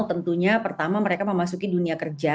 tentunya pertama mereka memasuki dunia kerja